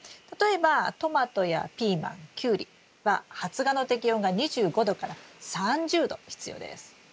例えばトマトやピーマンキュウリは発芽の適温が２５℃３０℃必要です。